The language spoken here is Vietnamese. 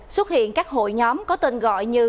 xuất hiện các hội nhóm có tên gọi như